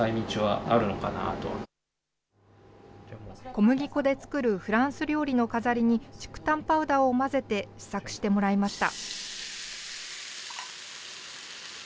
小麦粉で作るフランス料理の飾りに竹炭パウダーを混ぜて試作してもらいました。